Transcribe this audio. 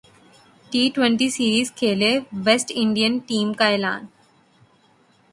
T twenty series کیلئے West Indian team کااعلان